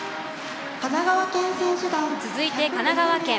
続いて神奈川県。